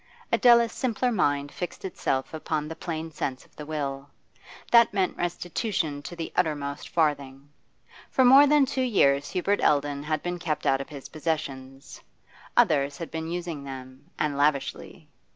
Adela's simpler mind fixed itself upon the plain sense of the will; that meant restitution to the uttermost farthing. For more than two years Hubert Eldon had been kept out of his possessions; others had been using them, and lavishly.